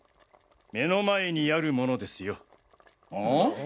目の前にあるものですよ。は？